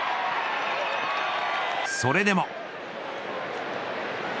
それでも。